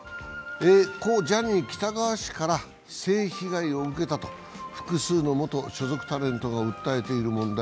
故・ジャニー喜多川氏から性被害を受けたと複数の元所属タレントが訴えている問題。